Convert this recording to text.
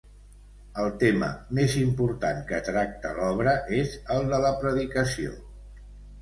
El tema més important que tracta l'obra és el de la predicació.